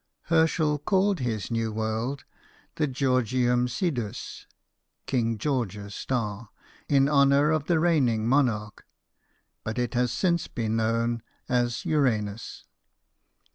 Her schel called his new world the Georgium Sidiis (King George's star) in honour of the reigning monarch ; but it has since been known as Uranus.